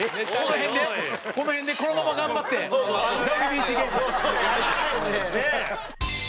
この辺で「このまま頑張ってＷＢＣ芸人」。